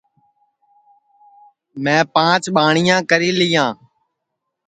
میں پانچ ٻاٹِؔیاں کری لیاں